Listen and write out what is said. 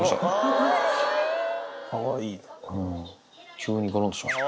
急にごろんとしました。